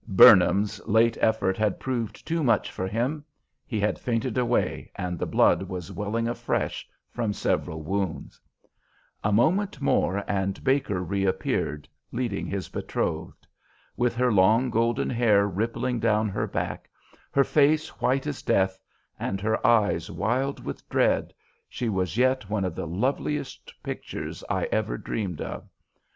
"Burnham's" late effort had proved too much for him. He had fainted away, and the blood was welling afresh from several wounds. A moment more and Baker reappeared, leading his betrothed. With her long, golden hair rippling down her back, her face white as death, and her eyes wild with dread, she was yet one of the loveliest pictures I ever dreamed of.